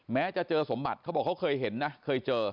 แม้จะเจอสมบัติเขาบอกเขาเคยเห็นนะเคยเจอ